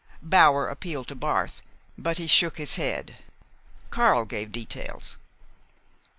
Bower appealed to Barth; but he shook his head. Karl gave details.